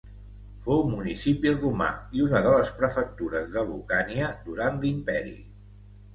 Fou municipi romà i una de les prefectures de Lucània durant l'imperi.